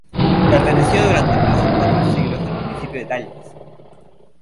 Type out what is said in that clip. Perteneció durante más de cuatro siglos al municipio de Dalías.